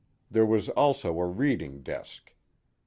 There was also a reading desk.